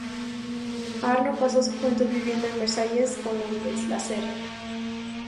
Arno pasa su juventud viviendo en Versalles con los De La Serre.